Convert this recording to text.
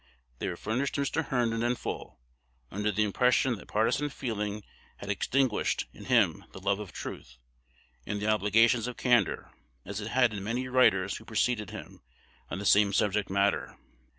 They were furnished to Mr. Herndon in full, under the impression that partisan feeling had extinguished in him the love of truth, and the obligations of candor, as it had in many writers who preceded him on the same subject matter.